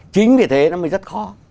chính vì thế nó mới rất khó